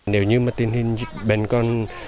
nếu như mà tình hình dịch bệnh con